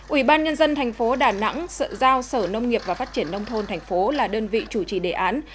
ủy ban nhân dân thành phố đà nẵng sở giao sở nông nghiệp và phát triển nông thôn thành phố là đơn vị chủ trì đề án